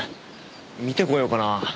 見てこようかな。